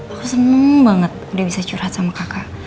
aku seneng banget dia bisa curhat sama kakak